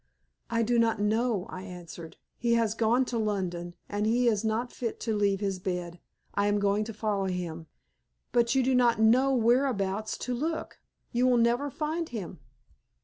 "I do not know," I answered. "He has gone to London, and he is not fit to leave his bed. I am going to follow him." "But you do not know whereabouts to look. You will never find him."